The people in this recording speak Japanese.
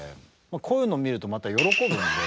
こういうのを見るとまた喜ぶんで。